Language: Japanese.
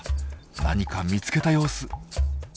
何か見つけた様子。